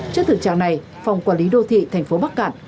trước thực trạng này phòng quản lý đô thị thành phố bắc cạn